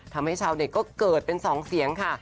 ทำให้ชาวเน็ตก็เกิดเป็นสองเสียงค่ะ